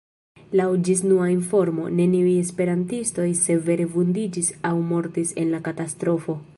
Laŭ ĝisnuna informo, neniuj esperantistoj severe vundiĝis aŭ mortis en la katastrofo.